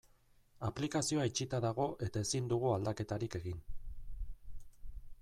Aplikazioa itxita dago eta ezin dugu aldaketarik egin.